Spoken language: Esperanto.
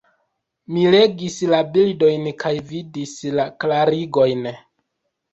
Mi legis la bildojn, kaj vidis la klarigojn.